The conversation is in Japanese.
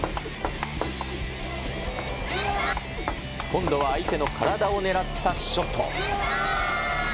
今度は相手の体を狙ったショット。